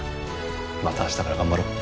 また明日から頑張ろう。